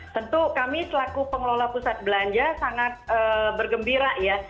tentu kami selaku pengelola pusat belanja sangat bergembira ya